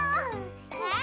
えっ？